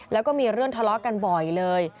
แล้วก็มีเรื่องทะเลาะกันบ่อยเลย